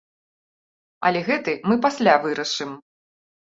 Але гэты мы пасля вырашым.